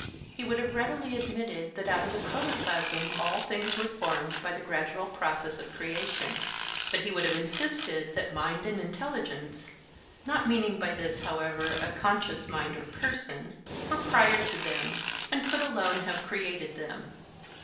He would have readily admitted that out of the protoplasm all things were formed by the gradual process of creation; but he would have insisted that mind and intelligence—not meaning by this, however, a conscious mind or person—were prior to them, and could alone have created them.